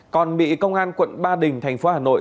còn bị công an quận ba đình thành phố hà nội